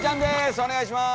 お願いします。